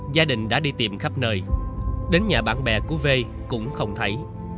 gia đình đã đi tìm khắp nơi đến nhà bạn bè của v cũng không thấy